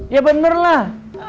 ya bener lah